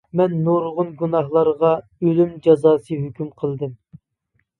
مەن نۇرغۇن گۇناھكارلارغا ئۆلۈم جازاسى ھۆكۈم قىلدىم.